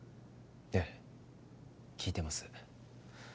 ええ聞いてます